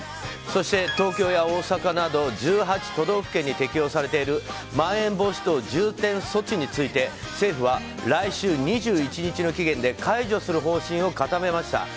そして、東京や大阪など１８都道府県に適用されているまん延防止等重点措置について政府は来週２１日の期限で解除する方針を固めました。